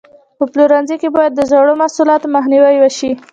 په پلورنځي کې باید د زړو محصولاتو مخنیوی وشي.